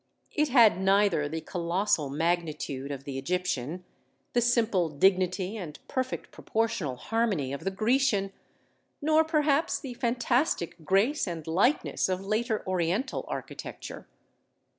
It had neither the colossal magnitude of the Egyptian, the simple dignity and perfect proportional harmony of the Grecian, nor perhaps the fantastic grace and lightness of later Oriental architecture.